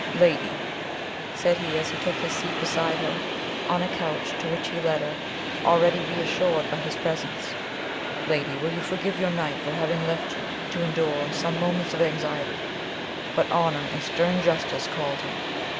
"Lady," said he, as he took his seat beside her, on a couch to which he led her, already re assured by his presence: "lady, will you forgive your knight for having left you to endure some moments of anxiety; but honour and stern justice called him.